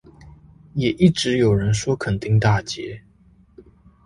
也一直有人說墾丁大街